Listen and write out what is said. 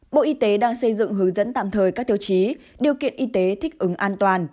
bộ y tế đang xây dựng hướng dẫn tạm thời các tiêu chí điều kiện y tế thích ứng an toàn